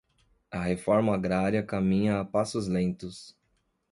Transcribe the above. A reforma agrária caminha a passos lentos